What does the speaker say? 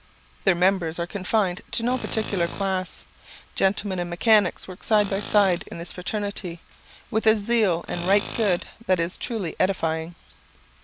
Their members are confined to no particular class. Gentlemen and mechanics work side by side in this fraternity, with a zeal and right good will that is truly edifying.